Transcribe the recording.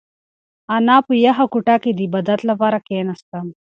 انا په یخه کوټه کې د عبادت لپاره کښېناسته.